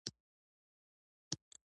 زما و ستا پیژندنه ډېره لڼده وه